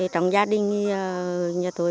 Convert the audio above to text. trong gia đình nhà tôi